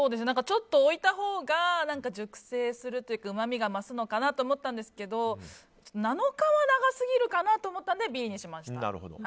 ちょっと置いたほうが熟成するというかうまみが増すのかなと思ったんですけど７日は長すぎるかなと思ったのでＢにしました。